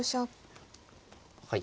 はい。